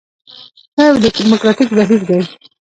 دا یو ډیموکراټیک بهیر دی.